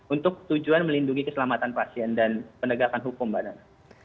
untuk tujuan melindungi keselamatan pasien dan penegakan hukum mbak nana